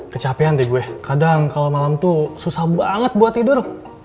kecapean di gue kadang kalau malam tuh susah banget buat tidur